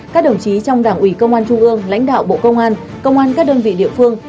các đồng chí trong đảng ủy công an trung ương lãnh đạo bộ công an công an các đơn vị địa phương